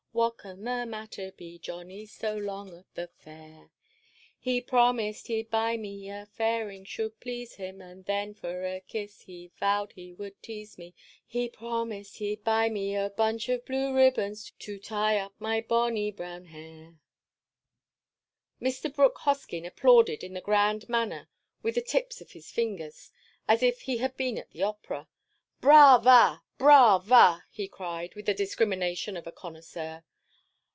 What can the matter be? Johnny 's so long at the fair. He promised he 'd buy me a fairing should please me, And then for a kiss, oh! he vowed he would tease me, He promised he 'd buy me a bunch of blue ribbons To tie up my bonny brown hair." Mr. Brooke Hoskyn applauded in the grand manner with the tips of his fingers, as if he had been at the Opera. "Brava! Brava!" he cried, with the discrimination of a connoisseur.